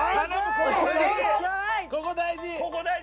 ここ大事よ